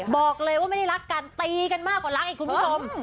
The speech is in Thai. บอกเลยว่าไม่ได้รักกันตีกันมากกว่ารักอีกคุณผู้ชม